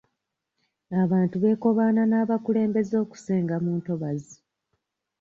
Abantu beekobaana n'abakulembeze okusenga mu ntobazzi.